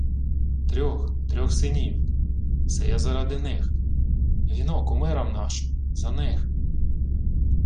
— Трьох... трьох синів. Се я заради них... Віно кумирам нашим... За них...